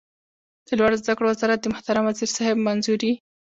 د لوړو زده کړو وزارت د محترم وزیر صاحب منظوري